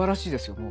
もう。